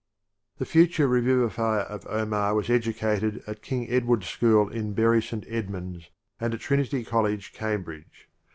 The future revivifier of Omar was edu cated at King Edward's School in Bury St. Edmund's, and at Trinity College, Cambridge.